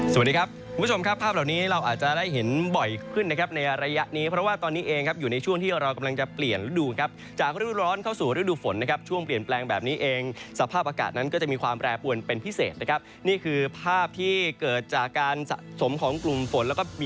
สวัสดีครับคุณผู้ชมครับภาพเหล่านี้เราอาจจะได้เห็นบ่อยขึ้นนะครับในระยะนี้เพราะว่าตอนนี้เองครับอยู่ในช่วงที่เรากำลังจะเปลี่ยนฤดูครับจากฤดูร้อนเข้าสู่ฤดูฝนนะครับช่วงเปลี่ยนแปลงแบบนี้เองสภาพอากาศนั้นก็จะมีความแปรปวนเป็นพิเศษนะครับนี่คือภาพที่เกิดจากการสะสมของกลุ่มฝนแล้วก็มี